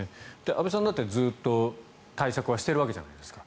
安部さんだってずっと対策はしてるわけじゃないですか。